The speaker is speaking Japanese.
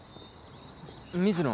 水野